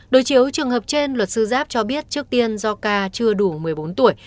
đối chiếu trường hợp trên luật sư giáp cho biết trước tiên do ca chưa đủ một mươi bốn tuổi